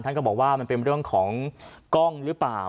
ท่านก็บอกว่ามันเป็นเรื่องของกล้องลือป่าว